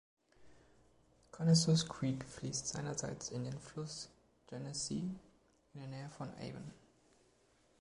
Conesus Creek fließt seinerseits in den Fluss Genesee in der Nähe von Avon.